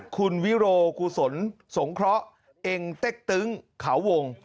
คุณวิโรกุศลสงเคราะห์เองเต็กตึ้งเขาวง